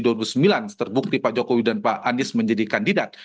terbukti pak jokowi dan pak anies menjadi kandidat